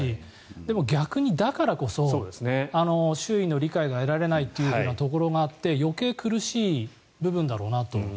でも逆に、だからこそ周囲の理解が得られないというところがあって余計苦しい部分だろうなと。